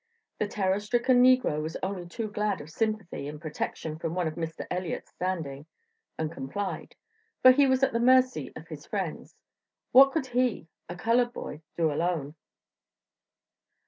The terror stricken negro was only too glad of sympathy and protection from one of Mr. Elliott's standing, and complied; for he was at the mercy of his friends. What could he, a colored boy, do alone?